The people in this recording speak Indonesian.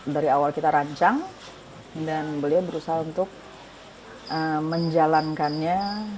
dari awal kita rancang dan beliau berusaha untuk menjalankannya